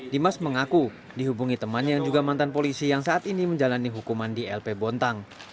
dimas mengaku dihubungi teman yang juga mantan polisi yang saat ini menjalani hukuman di lp bontang